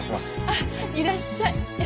あっいらっしゃい。